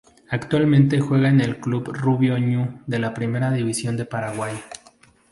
Actualmente juega en el Club Rubio Ñu de la Primera División de Paraguay.